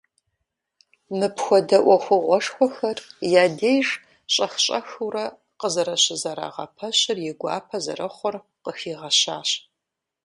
Мыпхуэдэ ӏуэхугъуэшхуэхэр я деж щӏэх-щӏэхыурэ къызэрыщызэрагъэпэщыр и гуапэ зэрыхъур къыхигъэщащ.